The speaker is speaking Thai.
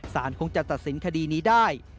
สารคงจะตัดสินคดีนี้ได้